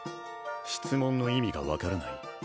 質問の意味が分からない？